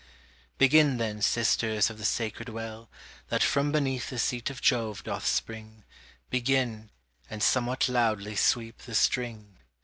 Begin then, sisters of the sacred well, That from beneath the seat of Jove doth spring, Begin, and somewhat loudly sweep the string.